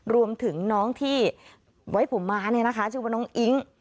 รวมถึงน้องที่ไว้ผมม้าชื่อว่าน้องอิ๊ง